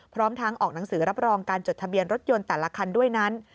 พร้อมทั้งออกหนังสือรับรองการจดทะเบียนรถยนต์แต่ละคันด้วยนั้น